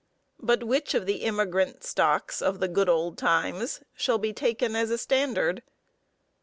But which of the immigrant stocks of the good old times shall be taken as a standard?